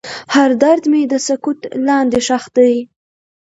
هر درد مې د سکوت لاندې ښخ دی.